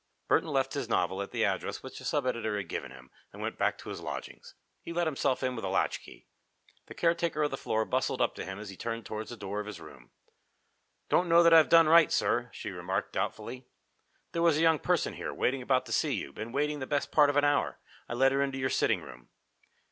Burton left his novel at the address which the sub editor had given him, and went back to his lodgings. He let himself in with a latchkey. The caretaker of the floor bustled up to him as he turned towards the door of his room. "Don't know that I've done right, sir," she remarked, doubtfully. "There was a young person here, waiting about to see you, been waiting the best part of an hour. I let her into your sitting room."